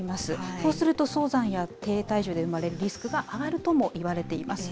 そうすると、早産や低体重で産まれるリスクが上がるともいわれています。